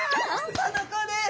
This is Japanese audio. この子です。